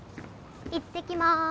行ってきます